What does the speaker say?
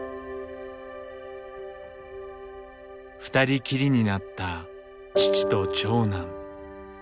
二人きりになった父と長男。